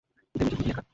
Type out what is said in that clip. ভেবেছেন মিমি একা?